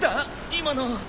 今の。